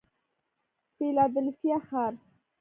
فیلادلفیا ښار